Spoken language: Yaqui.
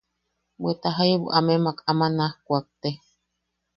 Bweta jaibu ama amemak naj kuakte.